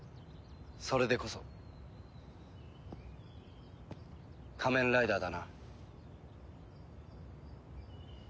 それでこそ仮面ライダーだな。